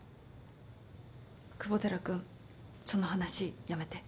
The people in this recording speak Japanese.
久保寺君その話やめて。